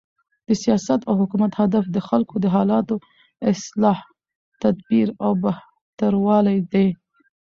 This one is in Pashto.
د سیاست او حکومت هدف د خلکو د حالاتو، اصلاح، تدبیر او بهتروالی دئ.